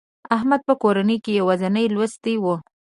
احمد په کورنۍ کې یوازینی لوستي و.